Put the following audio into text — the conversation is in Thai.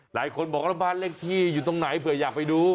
หลายคนบอกว่าบ้านเลขที่อยู่ตรงไหนเผื่ออยากไปดู